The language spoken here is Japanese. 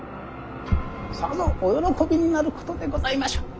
さぞお喜びになることでございましょう。